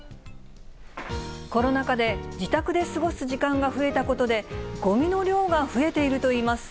コロナ禍で自宅で過ごす時間が増えたことで、ごみの量が増えているといいます。